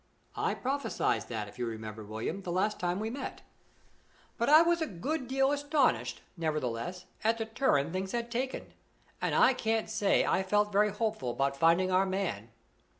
(I prophesied that, if you remember, William, the last time we met?) But I was a good deal astonished, nevertheless, at the turn things had taken, and I can't say I felt very hopeful about finding our man.